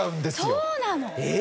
そうなの？